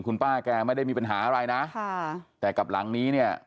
คุณป้าแกไม่ได้มีปัญหาอะไรนะค่ะแต่กับหลังนี้เนี่ย